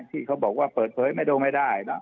ที่เขาบอกว่าเปิดเผยไม่ดูไม่ได้นะ